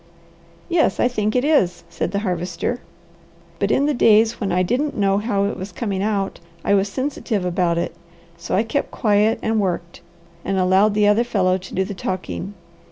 "Yes, I think it is," said the Harvester. "But in the days when I didn't know how it was coming out, I was sensitive about it; so I kept quiet and worked, and allowed the other fellow to do the talking.